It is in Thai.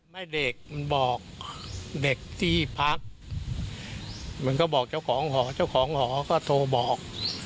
ไม่เด็กมันบอกเด็กที่พักมันก็บอกเจ้าของหอเจ้าของหอก็โทรบอก